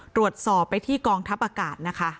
ตรวจสอบไปที่กองทัพอากาศนะคะ